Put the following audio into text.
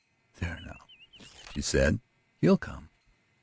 "There, now," she said. "He'll come."